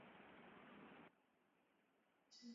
Muka oteshe tu ma bintu tuloko mu wakati ya nvula.